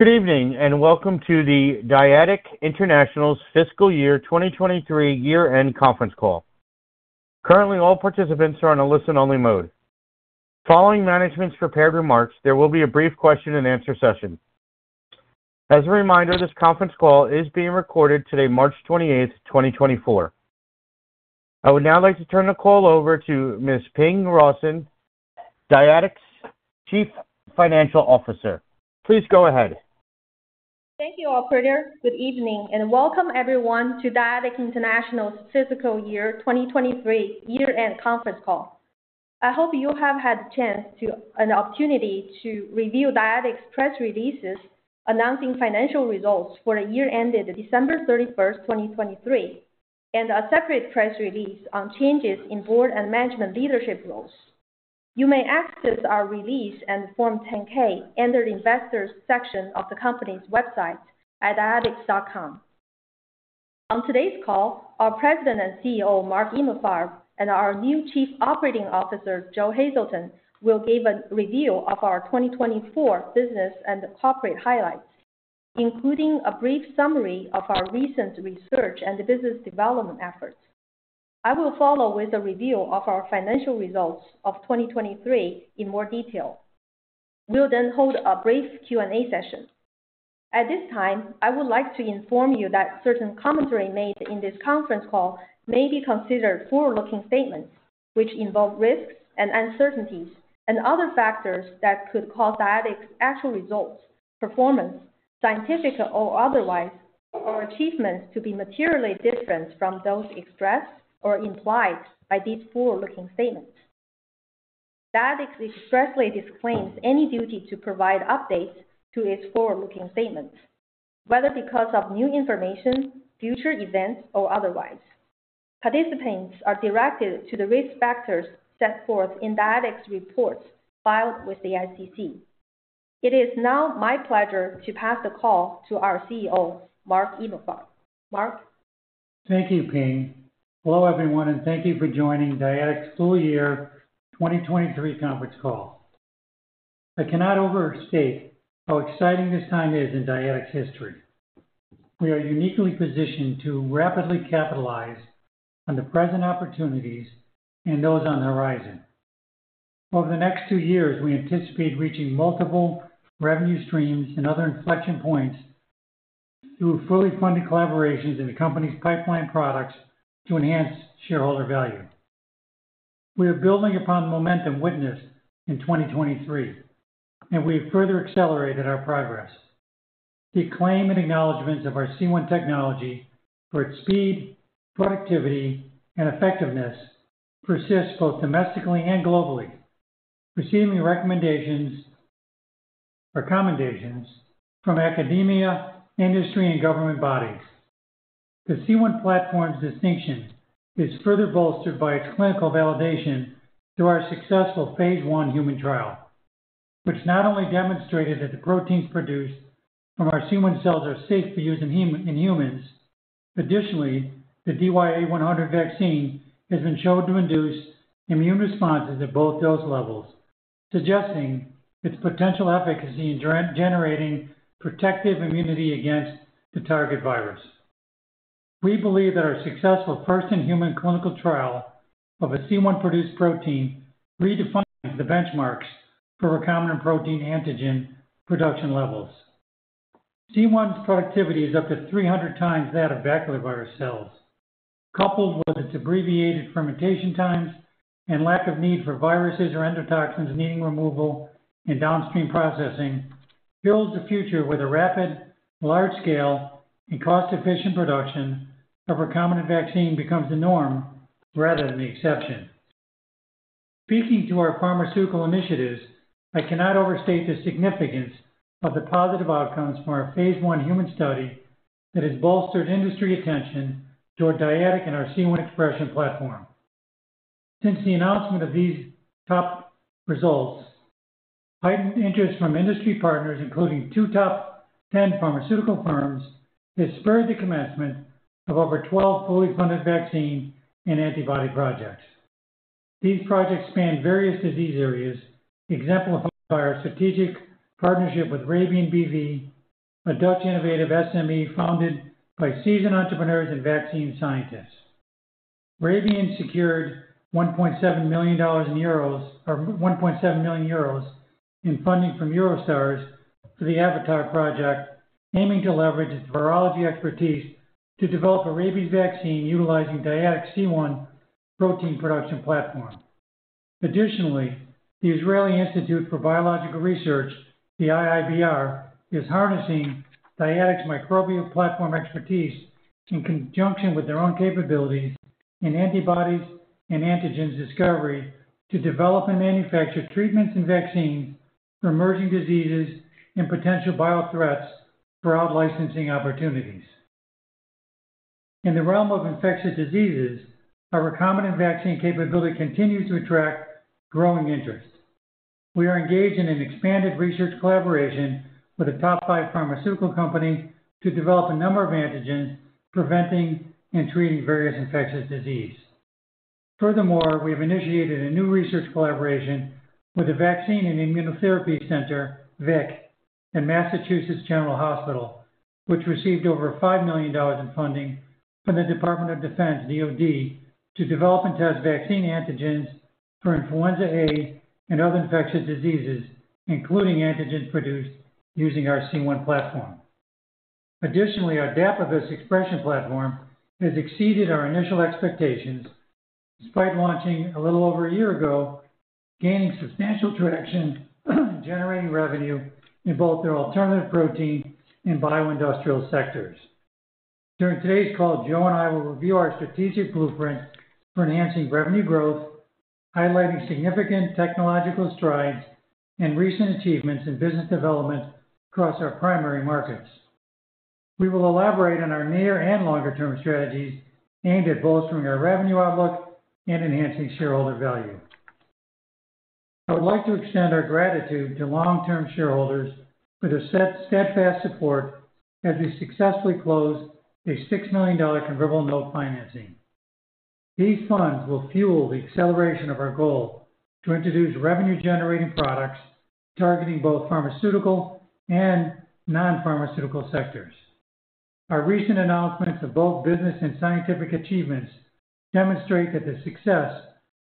Good evening, and welcome to the Dyadic International's Fiscal Year 2023 Year-End Conference Call. Currently, all participants are on a listen-only mode. Following management's prepared remarks, there will be a brief question-and-answer session. As a reminder, this conference call is being recorded today, March 28th, 2024. I would now like to turn the call over to Ms. Ping Rawson, Dyadic's Chief Financial Officer. Please go ahead. Thank you, operator. Good evening, and welcome everyone to Dyadic International's Fiscal Year 2023 Year-End Conference Call. I hope you have had an opportunity to review Dyadic's press releases announcing financial results for the year ended December 31, 2023, and a separate press release on changes in board and management leadership roles. You may access our release and Form 10-K under the Investors section of the company's website at dyadic.com. On today's call, our President and CEO, Mark Emalfarb, and our new Chief Operating Officer, Joe Hazelton, will give a review of our 2024 business and corporate highlights, including a brief summary of our recent research and business development efforts. I will follow with a review of our financial results of 2023 in more detail. We'll then hold a brief Q&A session. At this time, I would like to inform you that certain commentary made in this conference call may be considered forward-looking statements, which involve risks and uncertainties and other factors that could cause Dyadic's actual results, performance, scientific or otherwise, or achievements to be materially different from those expressed or implied by these forward-looking statements. Dyadic expressly disclaims any duty to provide updates to its forward-looking statements, whether because of new information, future events, or otherwise. Participants are directed to the risk factors set forth in Dyadic's reports filed with the SEC. It is now my pleasure to pass the call to our CEO, Mark Emalfarb. Mark? Thank you, Ping. Hello, everyone, and thank you for joining Dyadic's full year 2023 conference call. I cannot overstate how exciting this time is in Dyadic's history. We are uniquely positioned to rapidly capitalize on the present opportunities and those on the horizon. Over the next two years, we anticipate reaching multiple revenue streams and other inflection points through fully funded collaborations in the company's pipeline products to enhance shareholder value. We are building upon the momentum witnessed in 2023, and we have further accelerated our progress. The acclaim and acknowledgments of our C1 technology for its speed, productivity, and effectiveness persist both domestically and globally, receiving recommendations or commendations from academia, industry, and government bodies. The C1 platform's distinction is further bolstered by its clinical validation through our successful phase I human trial, which not only demonstrated that the proteins produced from our C1 cells are safe for use in human, in humans. Additionally, the DYAI-100 vaccine has been shown to induce immune responses at both dose levels, suggesting its potential efficacy in generating protective immunity against the target virus. We believe that our successful first-in-human clinical trial of a C1-produced protein redefines the benchmarks for recombinant protein antigen production levels. C1's productivity is up to 300 times that of baculovirus cells, coupled with its abbreviated fermentation times and lack of need for viruses or endotoxins needing removal and downstream processing, builds a future where the rapid, large-scale, and cost-efficient production of recombinant vaccine becomes the norm rather than the exception. Speaking to our pharmaceutical initiatives, I cannot overstate the significance of the positive outcomes from our phase 1 human study that has bolstered industry attention toward Dyadic and our C1 expression platform. Since the announcement of these top results, heightened interest from industry partners, including two top 10 pharmaceutical firms, has spurred the commencement of over 12 fully funded vaccine and antibody projects. These projects span various disease areas, exemplified by our strategic partnership with Rabian B.V., a Dutch innovative SME founded by seasoned entrepreneurs and vaccine scientists. Rabian secured $1.7 million in euros, or 1.7 million euros in funding from Eurostars for the AVATAR Project, aiming to leverage its virology expertise to develop a rabies vaccine utilizing Dyadic's C1 protein production platform. Additionally, the Israel Institute for Biological Research, the IIBR, is harnessing Dyadic's microbial platform expertise in conjunction with their own capabilities in antibodies and antigens discovery, to develop and manufacture treatments and vaccines for emerging diseases and potential biothreats for out-licensing opportunities. In the realm of infectious diseases, our recombinant vaccine capability continues to attract growing interest. We are engaged in an expanded research collaboration with a top five pharmaceutical company to develop a number of antigens, preventing and treating various infectious disease. Furthermore, we have initiated a new research collaboration with the Vaccine and Immunotherapy Center, VIC, and Massachusetts General Hospital, which received over $5 million in funding from the Department of Defense, DoD, to develop and test vaccine antigens for influenza A and other infectious diseases, including antigens produced using our C1 platform. Additionally, our Dapibus expression platform has exceeded our initial expectations, despite launching a little over a year ago, gaining substantial traction, generating revenue in both the alternative protein and bioindustrial sectors. During today's call, Joe and I will review our strategic blueprint for enhancing revenue growth, highlighting significant technological strides and recent achievements in business development across our primary markets. We will elaborate on our near and longer-term strategies aimed at both growing our revenue outlook and enhancing shareholder value. I would like to extend our gratitude to long-term shareholders for their steadfast support as we successfully closed a $6 million convertible note financing. These funds will fuel the acceleration of our goal to introduce revenue-generating products targeting both pharmaceutical and non-pharmaceutical sectors. Our recent announcements of both business and scientific achievements demonstrate that the success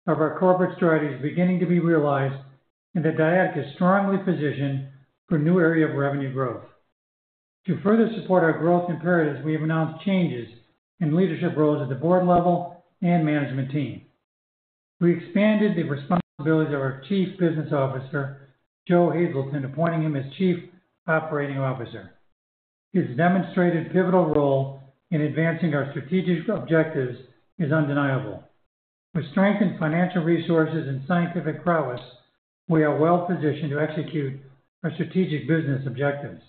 of our corporate strategy is beginning to be realized, and that Dyadic is strongly positioned for new area of revenue growth. To further support our growth imperatives, we have announced changes in leadership roles at the Board level and Management team. We expanded the responsibilities of our Chief Business Officer, Joe Hazelton, appointing him as Chief Operating Officer. His demonstrated pivotal role in advancing our strategic objectives is undeniable. With strengthened financial resources and scientific prowess, we are well positioned to execute our strategic business objectives.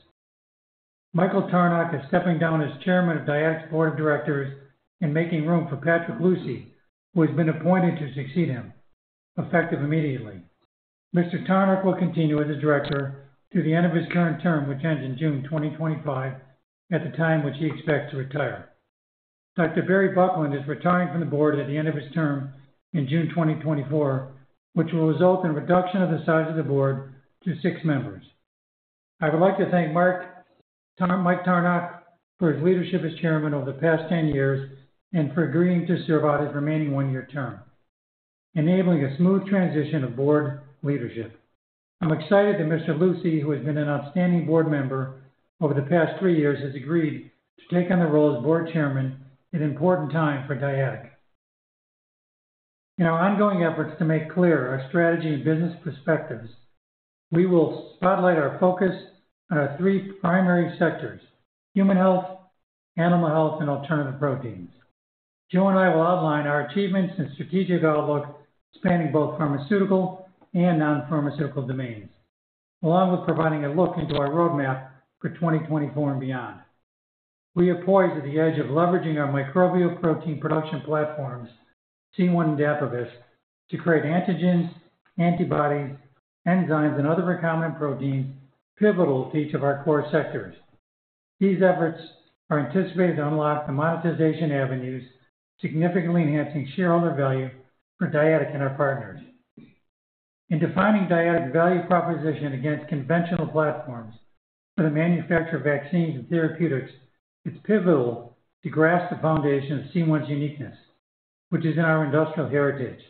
Michael Tarnok is stepping down as Chairman of Dyadic's Board of Directors and making room for Patrick Lucy, who has been appointed to succeed him, effective immediately. Mr. Tarnok will continue as the Director through the end of his current term, which ends in June 2025, at the time which he expects to retire. Dr. Barry Buckland is retiring from the board at the end of his term in June 2024, which will result in reduction of the size of the Board to six members. I would like to thank Mike Tarnok for his leadership as Chairman over the past 10 years and for agreeing to serve out his remaining one-year term, enabling a smooth transition of Board leadership. I'm excited that Mr. Lucy, who has been an outstanding Board member over the past three years, has agreed to take on the role as Board Chairman at an important time for Dyadic. In our ongoing efforts to make clear our strategy and business perspectives, we will spotlight our focus on our three primary sectors: human health, animal health, and alternative proteins. Joe and I will outline our achievements and strategic outlook, spanning both pharmaceutical and non-pharmaceutical domains, along with providing a look into our roadmap for 2024 and beyond. We are poised at the edge of leveraging our microbial protein production platforms, C1 and Dapibus, to create antigens, antibodies, enzymes, and other recombinant proteins pivotal to each of our core sectors. These efforts are anticipated to unlock the monetization avenues, significantly enhancing shareholder value for Dyadic and our partners. In defining Dyadic value proposition against conventional platforms for the manufacture of vaccines and therapeutics, it's pivotal to grasp the foundation of C1's uniqueness, which is in our industrial heritage.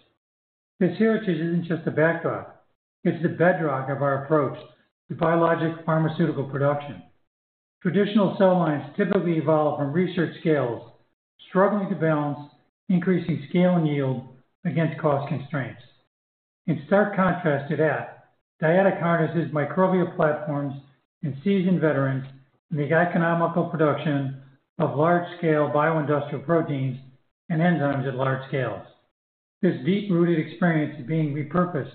This heritage isn't just a backdrop, it's the bedrock of our approach to biologic pharmaceutical production. Traditional cell lines typically evolve from research scales, struggling to balance increasing scale and yield against cost constraints. In stark contrast to that, Dyadic harnesses microbial platforms and seasoned veterans in the economical production of large-scale bioindustrial proteins and enzymes at large scales. This deep-rooted experience is being repurposed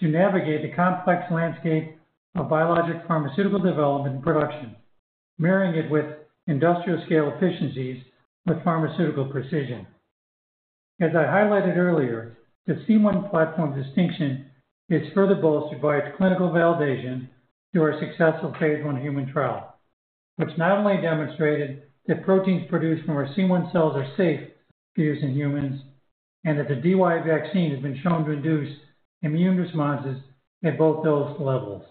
to navigate the complex landscape of biologic pharmaceutical development and production, marrying it with industrial-scale efficiencies with pharmaceutical precision. As I highlighted earlier, the C1 platform distinction is further bolstered by its clinical validation through our successful phase I human trial, which not only demonstrated that proteins produced from our C1 cells are safe for use in humans, and that the DYAI vaccine has been shown to induce immune responses at both dose levels,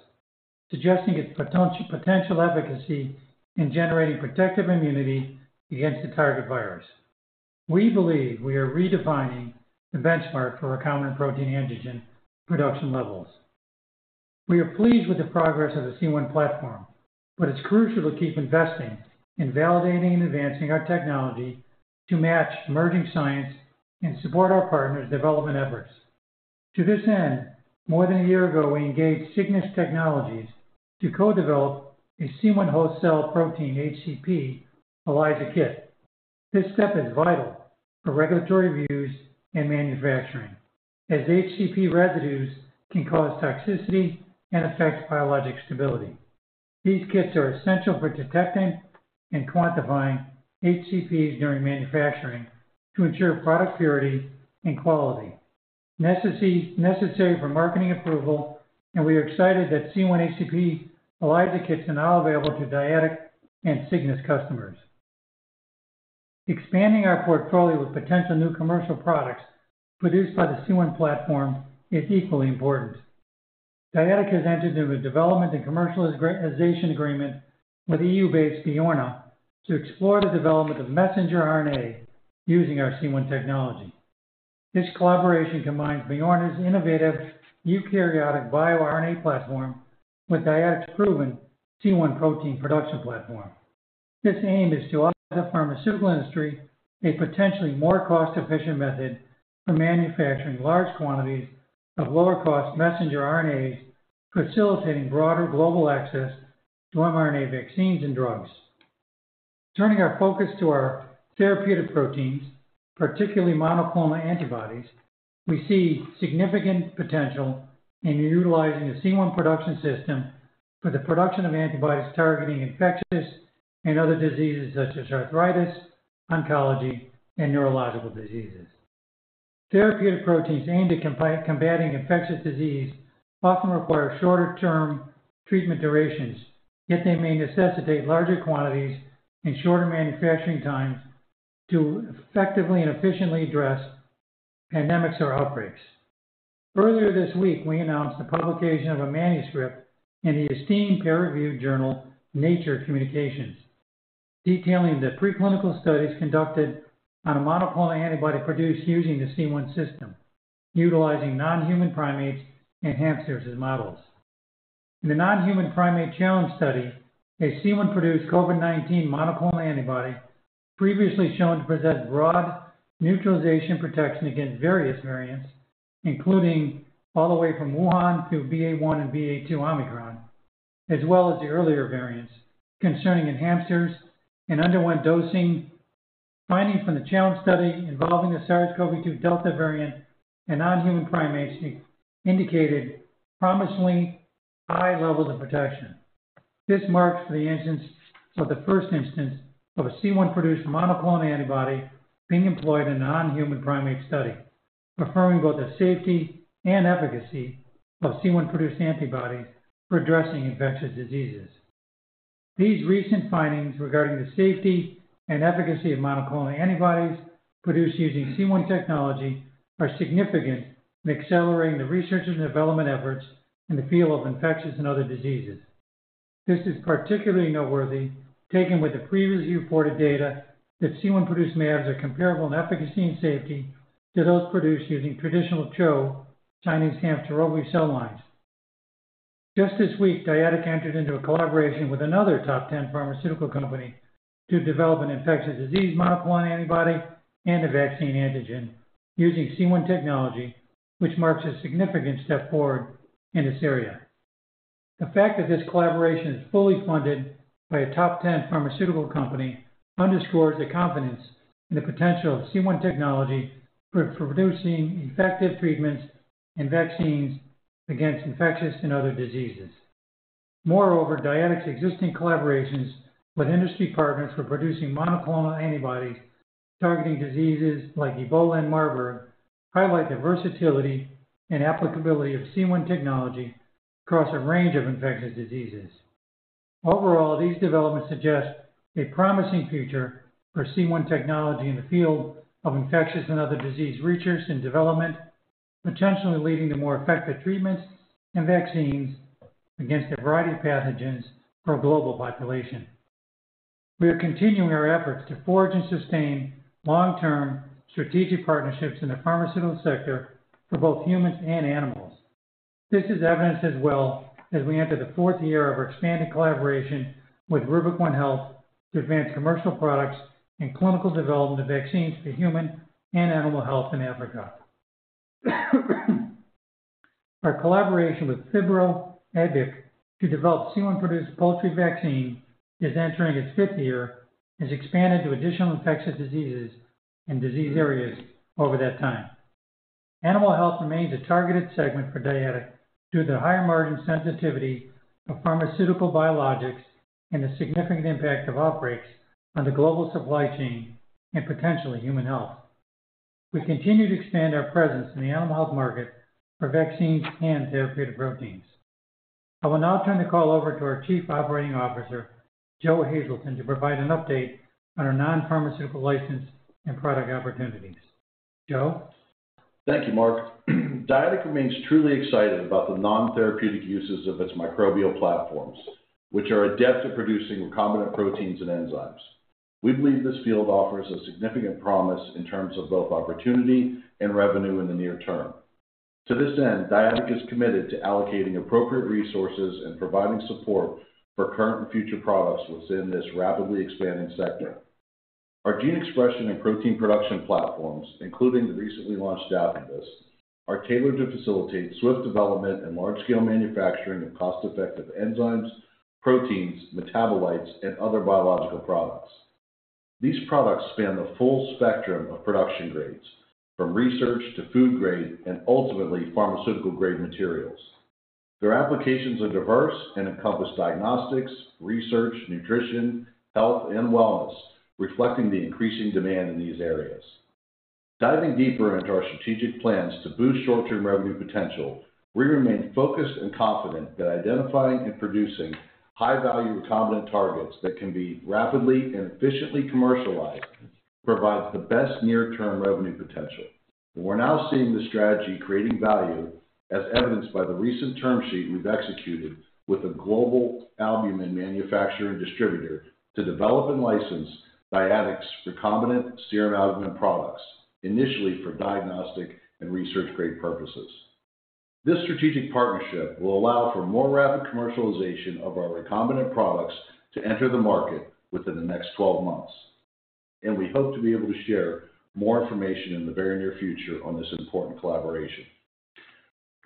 suggesting its potential efficacy in generating protective immunity against the target virus. We believe we are redefining the benchmark for recombinant protein antigen production levels. We are pleased with the progress of the C1 platform, but it's crucial to keep investing in validating and advancing our technology to match emerging science and support our partners' development efforts. To this end, more than a year ago, we engaged Cygnus Technologies to co-develop a C1 host cell protein, HCP ELISA kit. This step is vital for regulatory reviews and manufacturing, as HCP residues can cause toxicity and affect biologic stability. These kits are essential for detecting and quantifying HCPs during manufacturing to ensure product purity and quality, necessary for marketing approval, and we are excited that C1 HCP ELISA kits are now available to Dyadic and Cygnus customers. Expanding our portfolio with potential new commercial products produced by the C1 platform is equally important. Dyadic has entered into a development and commercialization agreement with EU-based bYoRNA to explore the development of messenger RNA using our C1 technology. This collaboration combines bYoRNA's innovative eukaryotic bioRNA platform with Dyadic's proven C1 protein production platform. This aim is to offer the pharmaceutical industry a potentially more cost-efficient method for manufacturing large quantities of lower-cost messenger RNAs, facilitating broader global access to mRNA vaccines and drugs. Turning our focus to our therapeutic proteins, particularly monoclonal antibodies, we see significant potential in utilizing the C1 production system for the production of antibodies targeting infectious and other diseases such as arthritis, oncology, and neurological diseases. Therapeutic proteins aimed at combating infectious disease often require shorter-term treatment durations, yet they may necessitate larger quantities and shorter manufacturing times to effectively and efficiently address pandemics or outbreaks. Earlier this week, we announced the publication of a manuscript in the esteemed peer-reviewed journal, Nature Communications, detailing the preclinical studies conducted on a monoclonal antibody produced using the C1 system, utilizing non-human primates and hamsters as models. In the non-human primate challenge study, a C1-produced COVID-19 monoclonal antibody previously shown to possess broad neutralization protection against various variants, including all the way from Wuhan to BA.1 and BA.2 Omicron, as well as the earlier variants concerning in hamsters and underwent dosing. Findings from the challenge study involving the SARS-CoV-2 Delta variant in non-human primates indicated promisingly high levels of protection. This marks the instance of the first instance of a C1-produced monoclonal antibody being employed in a non-human primate study, confirming both the safety and efficacy of C1-produced antibodies for addressing infectious diseases. These recent findings regarding the safety and efficacy of monoclonal antibodies produced using C1 technology are significant in accelerating the research and development efforts in the field of infectious and other diseases. This is particularly noteworthy, taken with the previously reported data that C1-produced mAbs are comparable in efficacy and safety to those produced using traditional CHO, Chinese Hamster Ovary cell lines. Just this week, Dyadic entered into a collaboration with another top ten pharmaceutical company to develop an infectious disease monoclonal antibody and a vaccine antigen using C1 technology, which marks a significant step forward in this area. The fact that this collaboration is fully funded by a top ten pharmaceutical company underscores the confidence in the potential of C1 technology for producing effective treatments and vaccines against infectious and other diseases. Moreover, Dyadic's existing collaborations with industry partners for producing monoclonal antibodies targeting diseases like Ebola and Marburg, highlight the versatility and applicability of C1 technology across a range of infectious diseases. Overall, these developments suggest a promising future for C1 technology in the field of infectious and other disease research and development, potentially leading to more effective treatments and vaccines against a variety of pathogens for a global population. We are continuing our efforts to forge and sustain long-term strategic partnerships in the pharmaceutical sector for both humans and animals. This is evidenced as well as we enter the fourth year of our expanded collaboration with Rubic One Health to advance commercial products and clinical development of vaccines for human and animal health in Africa. Our collaboration with Phibro Animal Health to develop C1-produced poultry vaccine is entering its fifth year, has expanded to additional infectious diseases and disease areas over that time. Animal health remains a targeted segment for Dyadic due to the higher margin sensitivity of pharmaceutical biologics and the significant impact of outbreaks on the global supply chain and potentially human health. We continue to expand our presence in the animal health market for vaccines and therapeutic proteins. I will now turn the call over to our Chief Operating Officer, Joe Hazelton, to provide an update on our non-pharmaceutical license and product opportunities. Joe? Thank you, Mark. Dyadic remains truly excited about the non-therapeutic uses of its microbial platforms, which are adept at producing recombinant proteins and enzymes. We believe this field offers a significant promise in terms of both opportunity and revenue in the near term. To this end, Dyadic is committed to allocating appropriate resources and providing support for current and future products within this rapidly expanding sector. Our gene expression and protein production platforms, including the recently launched Atlas, are tailored to facilitate swift development and large-scale manufacturing of cost-effective enzymes, proteins, metabolites, and other biological products. These products span the full spectrum of production grades, from research to food grade and ultimately pharmaceutical-grade materials. Their applications are diverse and encompass diagnostics, research, nutrition, health, and wellness, reflecting the increasing demand in these areas. Diving deeper into our strategic plans to boost short-term revenue potential, we remain focused and confident that identifying and producing high-value recombinant targets that can be rapidly and efficiently commercialized provides the best near-term revenue potential. We're now seeing this strategy creating value, as evidenced by the recent term sheet we've executed with a global albumin manufacturer and distributor to develop and license Dyadic's recombinant serum albumin products, initially for diagnostic and research-grade purposes. This strategic partnership will allow for more rapid commercialization of our recombinant products to enter the market within the next 12 months, and we hope to be able to share more information in the very near future on this important collaboration.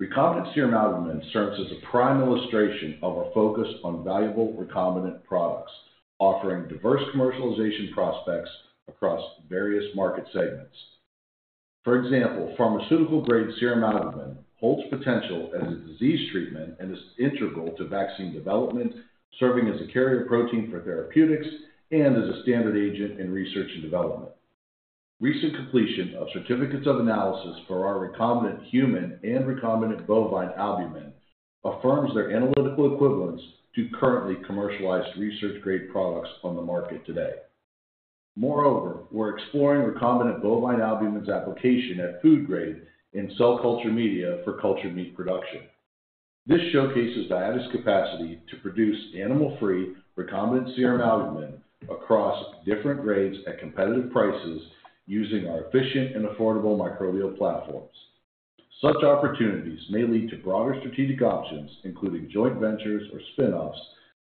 Recombinant serum albumin serves as a prime illustration of our focus on valuable recombinant products, offering diverse commercialization prospects across various market segments. For example, pharmaceutical-grade serum albumin holds potential as a disease treatment and is integral to vaccine development, serving as a carrier protein for therapeutics and as a standard agent in research and development. Recent completion of certificates of analysis for our recombinant human and recombinant bovine albumin affirms their analytical equivalence to currently commercialized research-grade products on the market today. Moreover, we're exploring recombinant bovine albumin's application at food grade in cell culture media for cultured meat production. This showcases Dyadic's capacity to produce animal-free recombinant serum albumin across different grades at competitive prices using our efficient and affordable microbial platforms. Such opportunities may lead to broader strategic options, including joint ventures or spinoffs,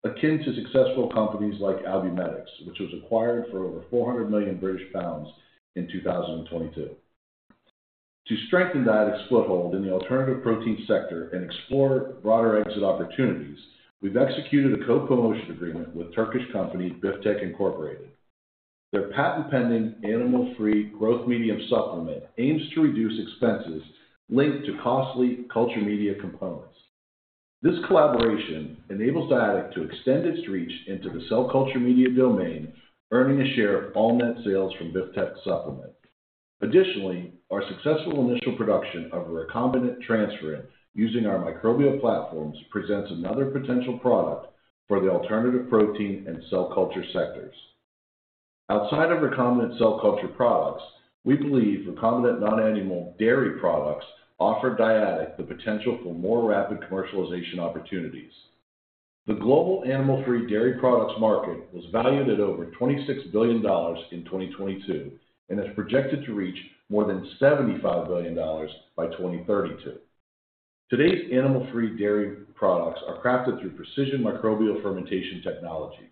akin to successful companies like Albumedix, which was acquired for over 400 million British pounds in 2022. To strengthen Dyadic's foothold in the alternative protein sector and explore broader exit opportunities, we've executed a co-promotion agreement with Turkish company Biftek Incorporated. Their patent-pending animal-free growth medium supplement aims to reduce expenses linked to costly culture media components. This collaboration enables Dyadic to extend its reach into the cell culture media domain, earning a share of all net sales from Biftek's supplement. Additionally, our successful initial production of a recombinant transferrin using our microbial platforms presents another potential product for the alternative protein and cell culture sectors. Outside of recombinant cell culture products, we believe recombinant non-animal dairy products offer Dyadic the potential for more rapid commercialization opportunities. The global animal-free dairy products market was valued at over $26 billion in 2022, and is projected to reach more than $75 billion by 2032. Today's animal-free dairy products are crafted through precision microbial fermentation technology,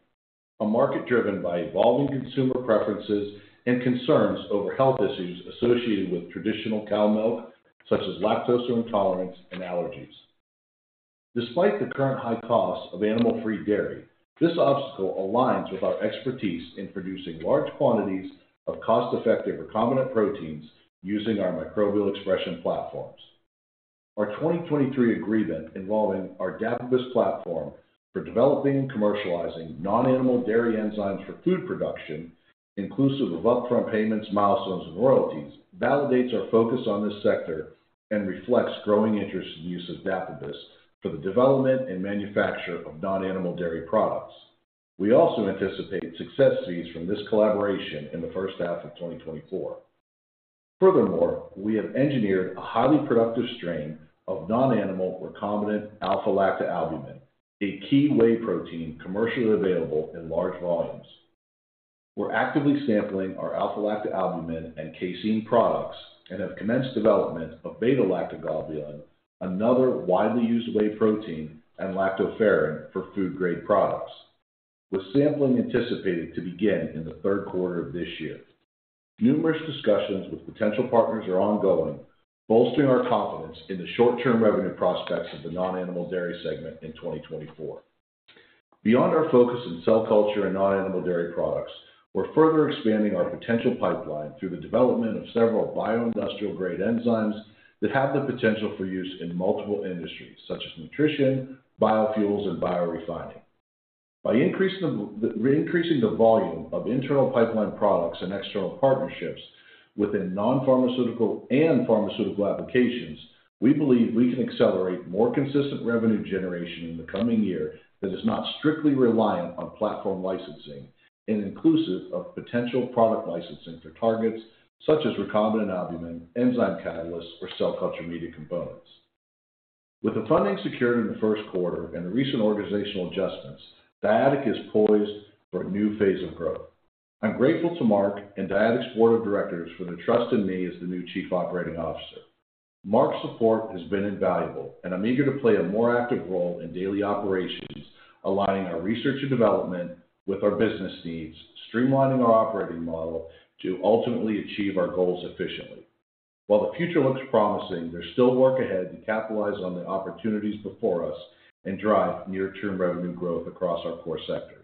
a market driven by evolving consumer preferences and concerns over health issues associated with traditional cow milk, such as lactose intolerance and allergies. Despite the current high costs of animal-free dairy, this obstacle aligns with our expertise in producing large quantities of cost-effective recombinant proteins using our microbial expression platforms. Our 2023 agreement involving our Dapibus platform for developing and commercializing non-animal dairy enzymes for food production, inclusive of upfront payments, milestones, and royalties, validates our focus on this sector and reflects growing interest in the use of Dapibus for the development and manufacture of non-animal dairy products. We also anticipate success fees from this collaboration in the first half of 2024. Furthermore, we have engineered a highly productive strain of non-animal recombinant alpha-lactalbumin, a key whey protein commercially available in large volumes. We're actively sampling our alpha-lactalbumin and casein products and have commenced development of beta-lactoglobulin, another widely used whey protein, and lactoferrin for food-grade products, with sampling anticipated to begin in the third quarter of this year. Numerous discussions with potential partners are ongoing, bolstering our confidence in the short-term revenue prospects of the non-animal dairy segment in 2024. Beyond our focus in cell culture and non-animal dairy products, we're further expanding our potential pipeline through the development of several bioindustrial-grade enzymes that have the potential for use in multiple industries such as nutrition, biofuels, and biorefining. By increasing the volume of internal pipeline products and external partnerships within non-pharmaceutical and pharmaceutical applications, we believe we can accelerate more consistent revenue generation in the coming year that is not strictly reliant on platform licensing and inclusive of potential product licensing for targets such as recombinant albumin, enzyme catalysts, or cell culture media components. With the funding secured in the first quarter and the recent organizational adjustments, Dyadic is poised for a new phase of growth. I'm grateful to Mark and Dyadic's Board of Directors for their trust in me as the new Chief Operating Officer. Mark's support has been invaluable, and I'm eager to play a more active role in daily operations, aligning our research and development with our business needs, streamlining our operating model to ultimately achieve our goals efficiently. While the future looks promising, there's still work ahead to capitalize on the opportunities before us and drive near-term revenue growth across our core sectors.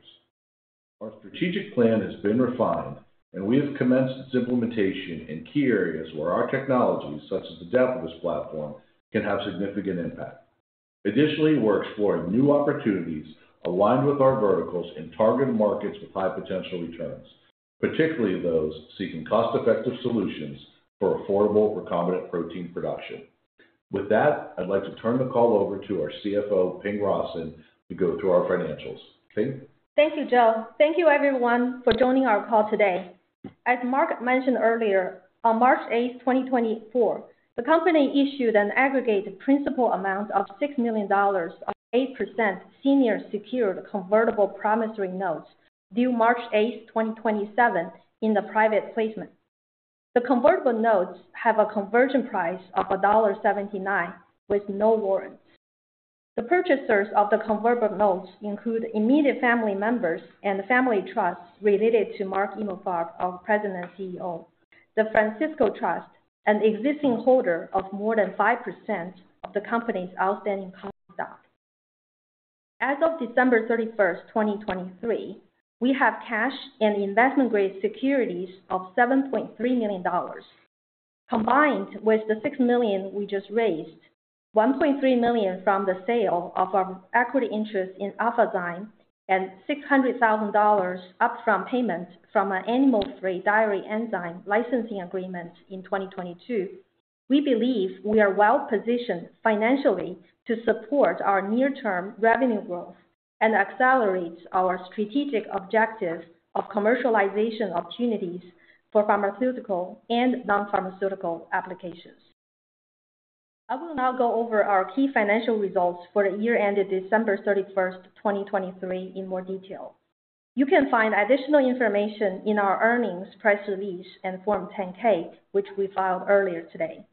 Our strategic plan has been refined, and we have commenced its implementation in key areas where our technologies, such as the Dapibus platform, can have significant impact. Additionally, we're exploring new opportunities aligned with our verticals in target markets with high potential returns, particularly those seeking cost-effective solutions for affordable recombinant protein production. With that, I'd like to turn the call over to our CFO, Ping Rawson, to go through our financials. Ping? Thank you, Joe. Thank you everyone for joining our call today. As Mark mentioned earlier, on March 8, 2024, the company issued an aggregate principal amount of $6 million of 8% Senior Secured Convertible Promissory Notes, due March 8, 2027, in the private placement. The convertible notes have a conversion price of $1.79, with no warrants. The purchasers of the convertible notes include immediate family members and the family trusts related to Mark Emalfarb, our President and CEO, the Francisco Trust, an existing holder of more than 5% of the company's outstanding common stock. As of December 31, 2023, we have cash and investment-grade securities of $7.3 million. Combined with the $6 million we just raised, $1.3 million from the sale of our equity interest in Alphazyme, and $600,000 upfront payment from an animal-free dairy enzyme licensing agreement in 2022. We believe we are well-positioned financially to support our near-term revenue growth and accelerate our strategic objective of commercialization opportunities for pharmaceutical and non-pharmaceutical applications. I will now go over our key financial results for the year ended December 31st, 2023, in more detail. You can find additional information in our earnings press release and Form 10-K, which we filed earlier today.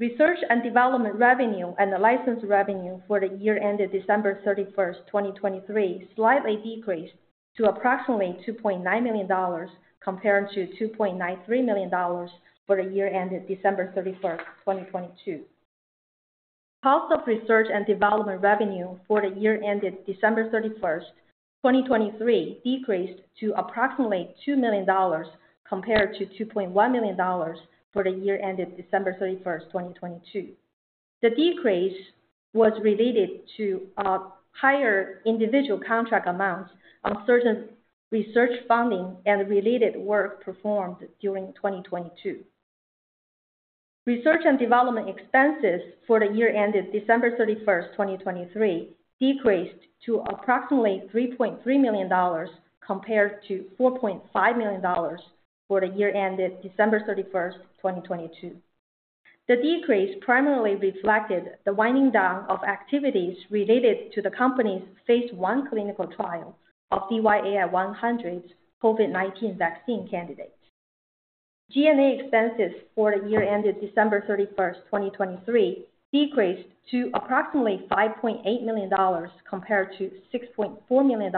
Research and development revenue and the license revenue for the year ended December 31st, 2023, slightly decreased to approximately $2.9 million, compared to $2.93 million for the year ended December 31st, 2022. Cost of research and development revenue for the year ended December 31st, 2023, decreased to approximately $2 million compared to $2.1 million for the year ended December 31st, 2022. The decrease was related to higher individual contract amounts on certain research funding and related work performed during 2022. Research and development expenses for the year ended December 31st, 2023, decreased to approximately $3.3 million compared to $4.5 million for the year ended December 31st, 2022. The decrease primarily reflected the winding down of activities related to the company's phase I clinical trial of DYAI-100 COVID-19 vaccine candidate. G&A expenses for the year ended December 31st, 2023, decreased to approximately $5.8 million compared to $6.4 million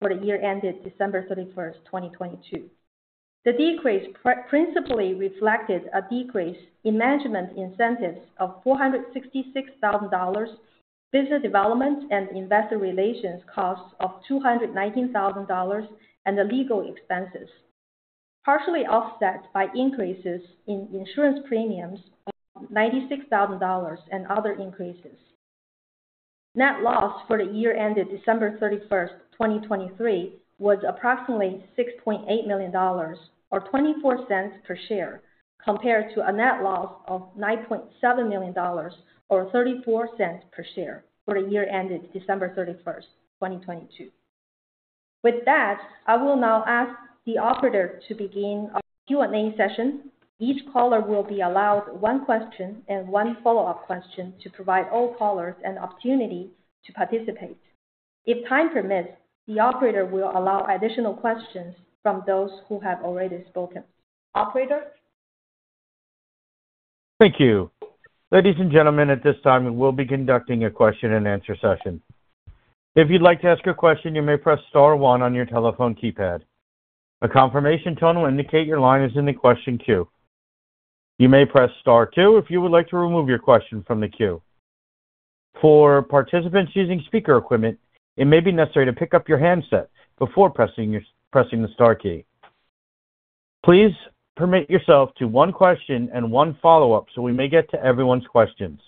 for the year ended December 31st, 2022. The decrease principally reflected a decrease in management incentives of $466,000, business development and investor relations costs of $219,000, and the legal expenses, partially offset by increases in insurance premiums of $96,000, and other increases. Net loss for the year ended December 31st, 2023, was approximately $6.8 million, or $0.24 per share, compared to a net loss of $9.7 million, or $0.34 per share, for the year ended December 31st, 2022. With that, I will now ask the operator to begin our Q&A session. Each caller will be allowed one question and one follow-up question to provide all callers an opportunity to participate. If time permits, the operator will allow additional questions from those who have already spoken. Operator? Thank you. Ladies and gentlemen, at this time, we will be conducting a question-and-answer session. If you'd like to ask a question, you may press star one on your telephone keypad. A confirmation tone will indicate your line is in the question queue. You may press star two if you would like to remove your question from the queue. For participants using speaker equipment, it may be necessary to pick up your handset before pressing the star key. Please permit yourself to one question and one follow-up, so we may get to everyone's questions.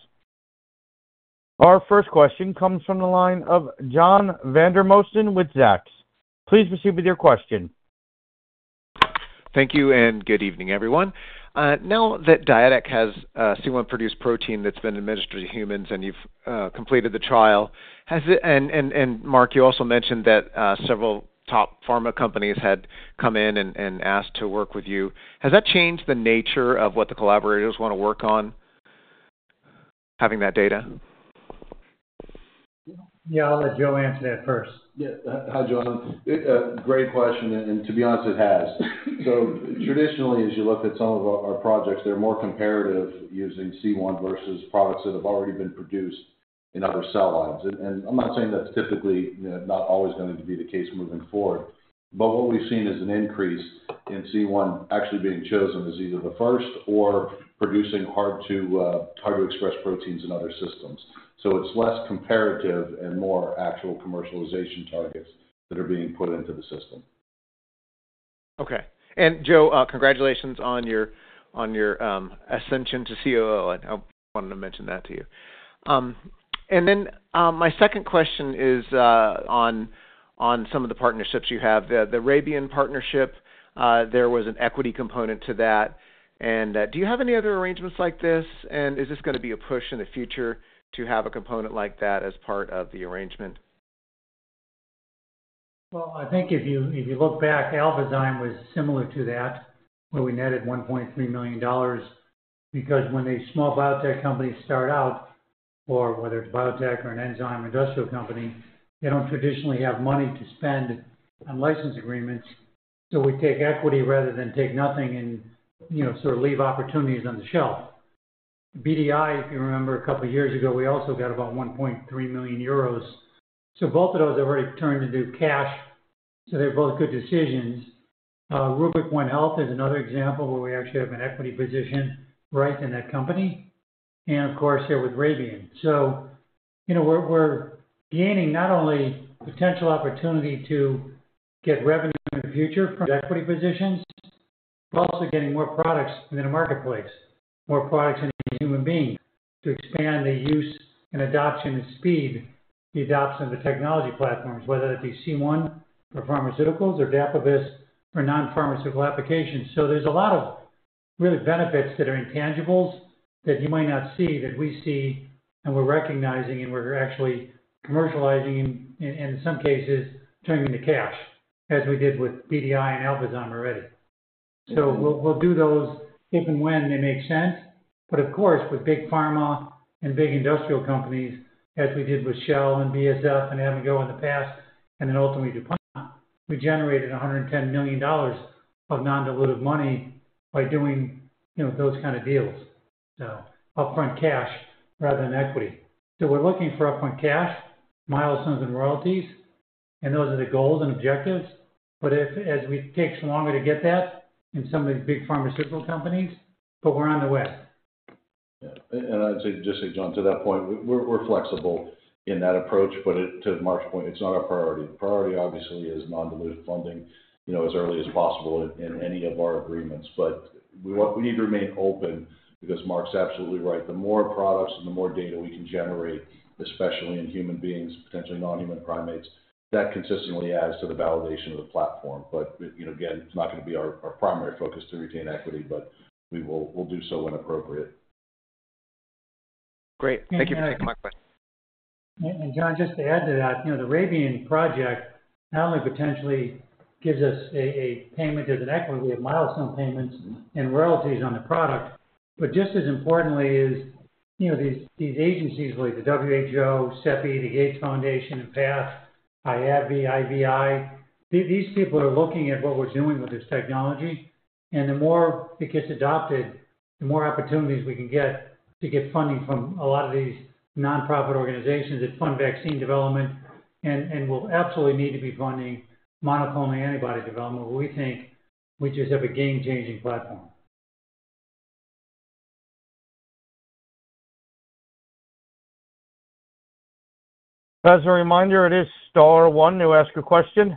Our first question comes from the line of John Vandermosten with Zacks. Please proceed with your question. Thank you, and good evening, everyone. Now that Dyadic has a C1-produced protein that's been administered to humans and you've completed the trial, has it, and Mark, you also mentioned that several top pharma companies had come in and asked to work with you. Has that changed the nature of what the collaborators want to work on, having that data? Yeah, I'll let Joe answer that first. Yeah. Hi, John. Great question, and to be honest, it has. So traditionally, as you look at some of our projects, they're more comparative using C1 versus products that have already been produced in other cell lines. And I'm not saying that's typically, you know, not always going to be the case moving forward. But what we've seen is an increase in C1 actually being chosen as either the first or producing hard-to-express proteins in other systems. So it's less comparative and more actual commercialization targets that are being put into the system. Okay. And Joe, congratulations on your ascension to COO. I wanted to mention that to you. And then, my second question is on some of the partnerships you have. The Rabian partnership, there was an equity component to that, and do you have any other arrangements like this? And is this gonna be a push in the future to have a component like that as part of the arrangement? Well, I think if you, if you look back, Alphazyme was similar to that, where we netted $1.3 million. Because when these small biotech companies start out, or whether it's biotech or an enzyme industrial company, they don't traditionally have money to spend on license agreements. So we take equity rather than take nothing and, you know, sort of leave opportunities on the shelf. BDI, if you remember, a couple of years ago, we also got about 1.3 million euros. So both of those have already turned into cash, so they're both good decisions. Rubic One Health is another example where we actually have an equity position right in that company, and of course, there with Rabian. So, you know, we're, we're gaining not only potential opportunity to get revenue in the future from equity positions, but also getting more products within a marketplace, more products into human beings, to expand the use and adoption and speed, the adoption of the technology platforms, whether it be C1 for pharmaceuticals or Dapibus for non-pharmaceutical applications. So there's a lot of really benefits that are intangibles that you might not see, that we see and we're recognizing and we're actually commercializing and, and in some cases, turning into cash, as we did with BDI and Alphazyme already. So we'll, we'll do those if and when they make sense. But of course, with big pharma and big industrial companies, as we did with Shell and BASF and Abengoa in the past, and then ultimately DuPont, we generated $110 million of non-dilutive money by doing, you know, those kind of deals. So upfront cash rather than equity. So we're looking for upfront cash, milestones and royalties, and those are the goals and objectives. But if as we take longer to get that in some of these big pharmaceutical companies, but we're on the way. Yeah, and I'd just say, John, to that point, we're flexible in that approach, but to Mark's point, it's not our priority. The priority, obviously, is non-dilutive funding, you know, as early as possible in, in any of our agreements. But we want, we need to remain open because Mark's absolutely right. The more products and the more data we can generate, especially in human beings, potentially non-human primates, that consistently adds to the validation of the platform. But, you know, again, it's not going to be our primary focus to retain equity, but we will, we'll do so when appropriate. Great. Thank you for taking my question. And John, just to add to that, you know, the Rabian project not only potentially gives us a payment as an equity, we have milestone payments and royalties on the product. But just as importantly is, you know, these agencies, like the WHO, CEPI, the Gates Foundation, and PATH, IAVI, IVI; these people are looking at what we're doing with this technology, and the more it gets adopted, the more opportunities we can get to get funding from a lot of these nonprofit organizations that fund vaccine development. And will absolutely need to be funding monoclonal antibody development, where we think we just have a game-changing platform. As a reminder, it is star one to ask a question.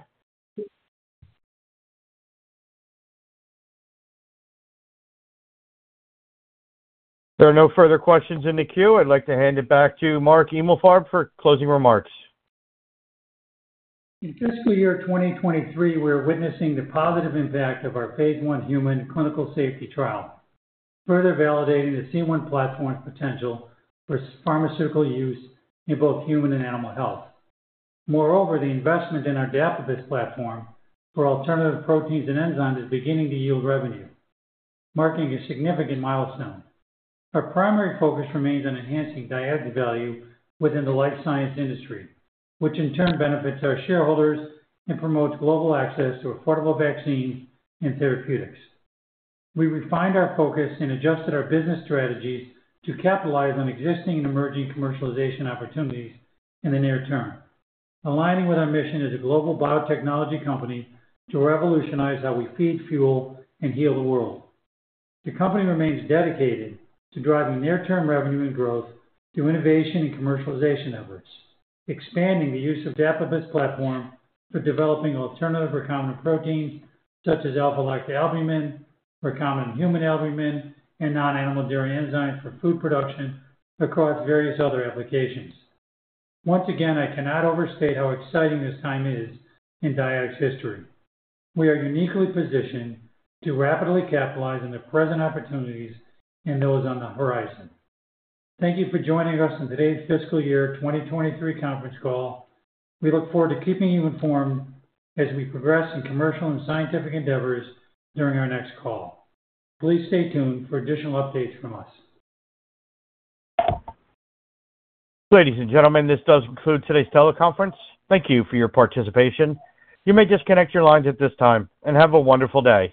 If there are no further questions in the queue, I'd like to hand it back to Mark Emalfarb for closing remarks. In fiscal year 2023, we are witnessing the positive impact of our phase I human clinical safety trial, further validating the C1 platform's potential for pharmaceutical use in both human and animal health. Moreover, the investment in our Dapibus platform for alternative proteins and enzymes is beginning to yield revenue, marking a significant milestone. Our primary focus remains on enhancing Dyadic value within the life science industry, which in turn benefits our shareholders and promotes global access to affordable vaccines and therapeutics. We refined our focus and adjusted our business strategies to capitalize on existing and emerging commercialization opportunities in the near term, aligning with our mission as a global biotechnology company to revolutionize how we feed, fuel, and heal the world. The company remains dedicated to driving near-term revenue and growth through innovation and commercialization efforts, expanding the use of Dapibus platform for developing alternative recombinant proteins such as alpha-lactalbumin, recombinant human albumin, and non-animal dairy enzymes for food production across various other applications. Once again, I cannot overstate how exciting this time is in Dyadic's history. We are uniquely positioned to rapidly capitalize on the present opportunities and those on the horizon. Thank you for joining us on today's fiscal year 2023 conference call. We look forward to keeping you informed as we progress in commercial and scientific endeavors during our next call. Please stay tuned for additional updates from us. Ladies and gentlemen, this does conclude today's teleconference. Thank you for your participation. You may disconnect your lines at this time, and have a wonderful day.